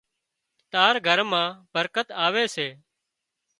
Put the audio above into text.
تار گھر مان برڪت آوي سي